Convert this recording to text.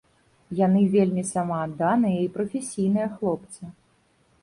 Яны вельмі самаадданыя і прафесійныя хлопцы.